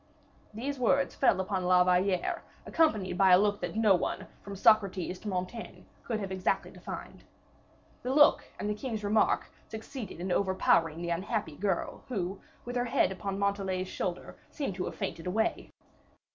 These words fell upon La Valliere, accompanied by a look that on one, from Socrates to Montaigne, could have exactly defined. The look and the king's remark succeeded in overpowering the unhappy girl, who, with her head upon Montalais's shoulder, seemed to have fainted away.